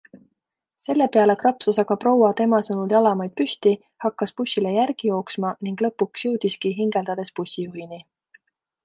Selle peale krapsas aga proua tema sõnul jalamaid püsti, hakkas bussile järgi jooksma ning lõpuks jõudiski hingeldades bussijuhini.